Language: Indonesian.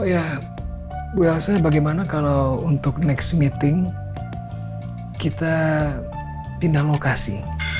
ya bu elsa bagaimana kalau untuk next meeting kita pindah lokasi